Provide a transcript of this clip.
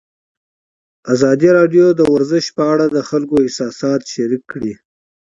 ازادي راډیو د ورزش په اړه د خلکو احساسات شریک کړي.